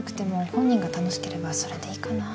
本人が楽しければそれでいいかなぁ。